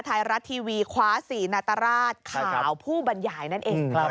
ไทยรัฐทีวีคว้า๔นาตราชข่าวผู้บรรยายนั่นเองครับ